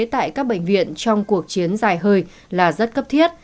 tại các bệnh viện trong cuộc chiến dài hơi là rất cấp thiết